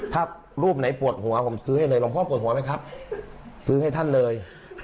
ถ้ารูปไหนปวดหัวผมซื้อให้เลยหลวงพ่อปวดหัวไหมครับซื้อให้ท่านเลย